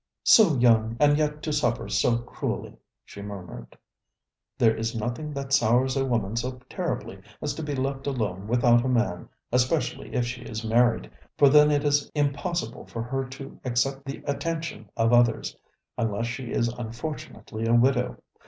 ŌĆ£So young and yet to suffer so cruelly, ŌĆØ she murmured. ŌĆ£There is nothing that sours a woman so terribly as to be left alone without a man, especially if she is married, for then it is impossible for her to accept the attention of othersŌĆöunless she is unfortunately a widow.